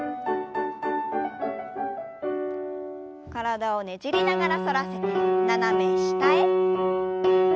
体をねじりながら反らせて斜め下へ。